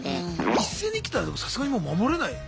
一斉に来たらでもさすがにもう守れないっすよね。